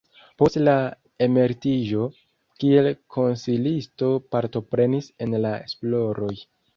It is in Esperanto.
Post la emeritiĝo kiel konsilisto partoprenis en la esploroj.